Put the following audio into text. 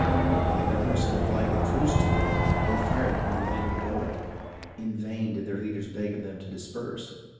When the governor sent a flag of truce to them, they fired upon the men who bore it. In vain did their leaders beg of them to disperse.